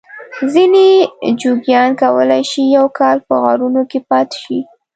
ځینې جوګیان کولای شي یو کال په غارونو کې پاته شي.